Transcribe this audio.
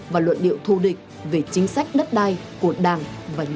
và luận điệu thù địch về chính sách đất đai của đảng và nhà nước